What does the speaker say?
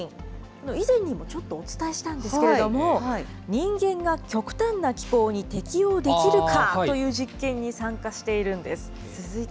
以前にもちょっとお伝えしたんですけれども、人間が極端な気候に適応できるかという実験に参加しているんです。